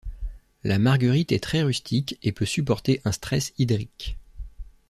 La Marguerite est très rustique et peut supporter un stress hydrique.